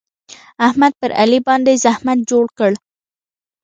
احمد پر علي باندې زحمت جوړ کړ.